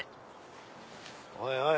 おいおい！